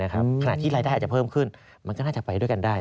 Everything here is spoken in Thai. ขณะที่รายได้อาจจะเพิ่มขึ้นมันก็น่าจะไปด้วยกันได้